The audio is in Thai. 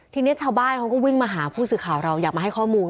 ทีนี้ชาวบ้านเขาก็วิ่งมาหาผู้สื่อข่าวเราอยากมาให้ข้อมูล